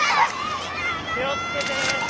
気を付けて。